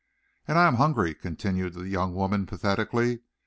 "And I am hungry," continued the young woman, pathetically.